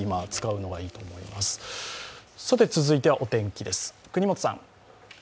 続いてはお天気です、國本さん。